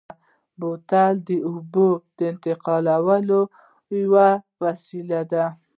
بوتل د اوبو د انتقال یوه وسیله ده.